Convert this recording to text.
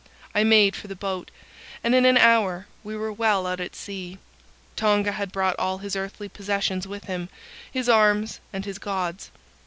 I made for the boat, and in an hour we were well out at sea. Tonga had brought all his earthly possessions with him, his arms and his gods.